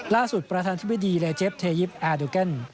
ล่าสุดประธานทฤษฎีแลเจฟเทยิปแอร์ดูเก็น